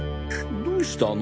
どうしたの？